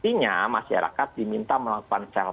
artinya masyarakat diminta melakukan self attestment